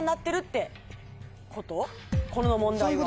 この問題は。